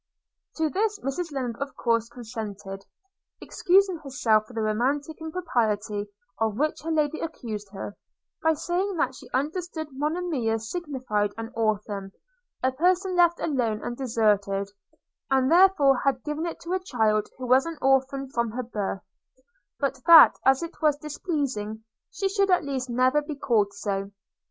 To this Mrs Lennard of course consented, excusing herself for the romantic impropriety of which her lady accused her, by saying, that she understood Monimia signified an orphan, a person left alone and deserted; and therefore had given it to a child who was an orphan from her birth – but that, as it was displeasing, she should at least never be called so.